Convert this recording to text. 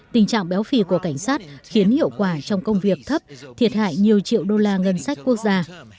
tình trạng béo phì của cảnh sát khiến hiệu quả trong công việc thấp thiệt hại nhiều triệu đô la ngân sách quốc gia